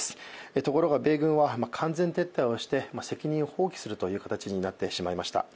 ところが、米軍は完全撤退をして責任を放棄するという形になってしまいました。